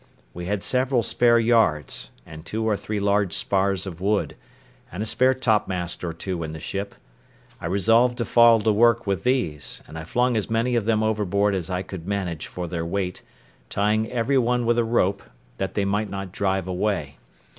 We had several spare yards, and two or three large spars of wood, and a spare topmast or two in the ship; I resolved to fall to work with these, and I flung as many of them overboard as I could manage for their weight, tying every one with a rope, that they might not drive away.